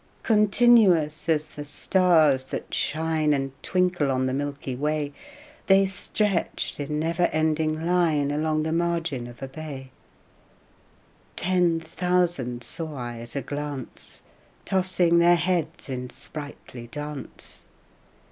Continuous as the stars that shine And twinkle on the milky way, They stretched in never ending line Along the margin of a bay; Ten thousand saw I at a glance, Tossing their heads in sprightly dance.